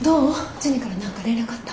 ジュニから何か連絡あった？